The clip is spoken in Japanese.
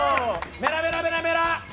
メラメラメラメラ！